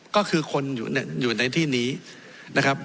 ก็คือคนอยู่ในที่นี้นะครับ